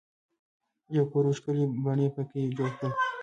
یو کور او ښکلی بڼ یې په کې جوړ کړل.